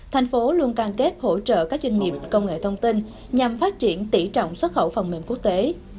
thành phố luôn can kết hỗ trợ các doanh nghiệp công nghệ thông tin nhằm phát triển tỷ trọng xuất khẩu phòng mềm quốc tế